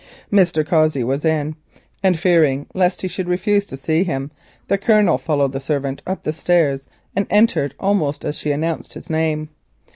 Mr. Cossey was in. Fearing lest he should refuse to see him, the Colonel followed the servant up the stairs, and entered almost as she announced his name.